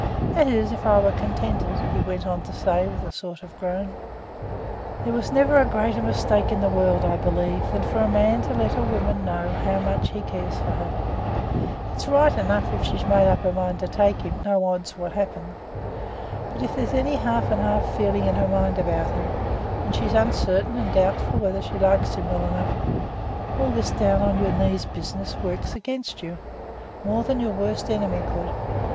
That is, if I was contented,' he went on to say, with a sort of a groan. There never was a greater mistake in the world, I believe, than for a man to let a woman know how much he cares for her. It's right enough if she's made up her mind to take him, no odds what happens. But if there's any half and half feeling in her mind about him, and she's uncertain and doubtful whether she likes him well enough, all this down on your knees business works against you, more than your worst enemy could do.